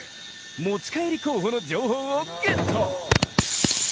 持ち帰り候補の情報をゲット！